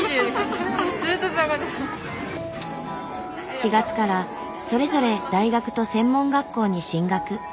４月からそれぞれ大学と専門学校に進学。